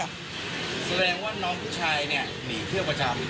แสดงว่าน้องผู้ชายเนี่ยหนีเที่ยวประจำ